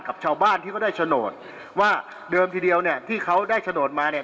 กับชาวบ้านที่เขาได้โฉนดว่าเดิมทีเดียวเนี่ยที่เขาได้โฉนดมาเนี่ย